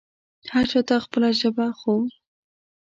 هر چا ته خپله ژبه خو